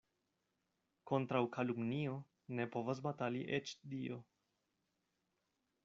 Kontraŭ kalumnio ne povas batali eĉ Dio.